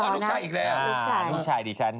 ลูกชายอีกแล้ว